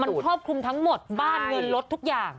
มันครอบคลุมทั้งหมดบ้านเงินลดทุกอย่าง